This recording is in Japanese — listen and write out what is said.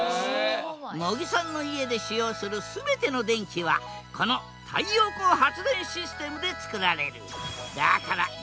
茂木さんの家で使用する全ての電気はこの太陽光発電システムで作られる。